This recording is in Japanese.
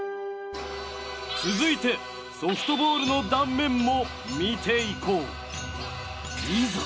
続いてソフトボールの断面も見ていこう。